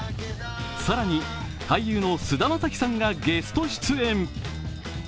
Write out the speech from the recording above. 更に俳優の菅田将暉さんがゲスト出演。